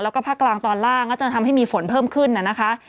แล้วก็ภาคกลางตอนล่างก็จะทำให้มีฝนเพิ่มขึ้นนะคะ